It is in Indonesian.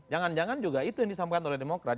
jangan jangan juga itu yang disampaikan oleh demokrat